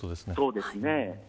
そうですね。